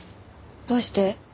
どうして？